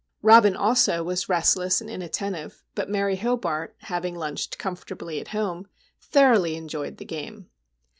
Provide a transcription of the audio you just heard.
Robin also was restless and inattentive; but Mary Hobart, having lunched comfortably at home, thoroughly enjoyed the game.